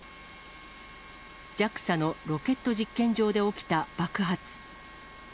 ＪＡＸＡのロケット実験場で起きた爆発。